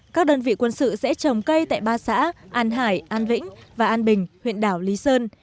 các đơn vị quân sự sẽ trồng cây tại ba xã an hải an vĩnh và an bình huyện đảo lý sơn